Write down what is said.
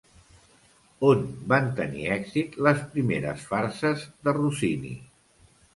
On van tenir èxit les primeres farses de Rossini?